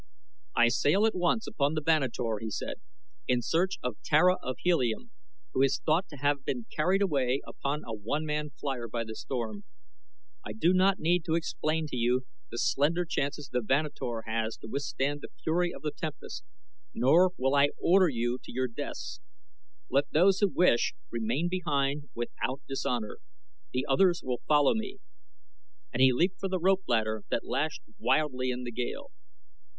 "I sail at once upon the Vanator," he said, "in search of Tara of Helium who is thought to have been carried away upon a one man flier by the storm. I do not need to explain to you the slender chances the Vanator has to withstand the fury of the tempest, nor will I order you to your deaths. Let those who wish remain behind without dishonor. The others will follow me," and he leaped for the rope ladder that lashed wildly in the gale.